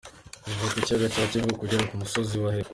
Ziva ku kiyaga cya Kivu kugera ku musozi wa Hehu.